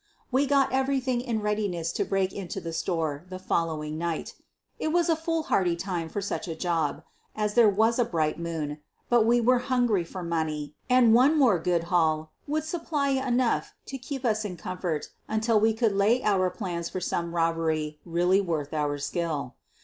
We got everything in readiness to break into the store the following night. It was a foolhardy time for such a job, as there was a bright moon — but we were hungry for money, and one more good haul would supply enough to keep us in comfort until we could lay our plans for some robbery really worthy of our skill.